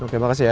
oke makasih ya